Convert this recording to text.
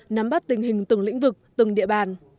nắm bắt tình hình từng lĩnh vực từng địa bàn